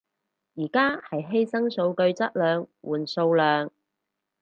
而家係犧牲數據質量換數量